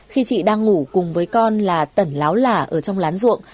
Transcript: khi chị đang ngủ cùng với con là tẩn láo lả ở trong lán ruộng